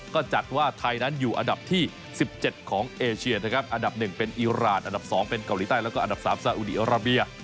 ก็จัดว่าไทยนั้นอยู่อันดับที่๑๗ของเอเชียนะครับอันดับ๑เป็นอิราณอันดับ๒เป็นเกาหลีใต้แล้วก็อันดับ๓ซาอุดีอาราเบีย